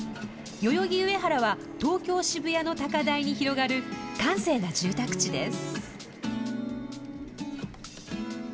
代々木上原は東京・渋谷の高台に広がる閑静な住宅地です。